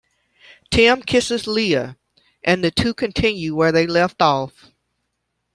Tim kisses Leah, and the two continue where they left off.